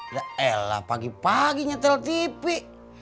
yaelah pagi paginya tel tipe